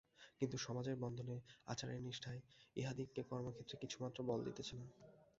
কিন্তু সমাজের বন্ধনে, আচারের নিষ্ঠায়, ইহাদিগকে কর্মক্ষেত্রে কিছুমাত্র বল দিতেছে না।